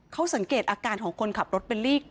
จะรับผิดชอบกับความเสียหายที่เกิดขึ้น